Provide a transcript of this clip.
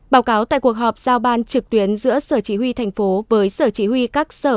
báo cáo tại cuộc họp giao ban trực tuyến giữa sở chỉ huy thành phố với sở chỉ huy các sở